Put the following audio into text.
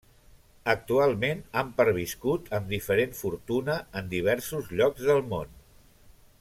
Actualment han perviscut amb diferent fortuna en diversos llocs del món.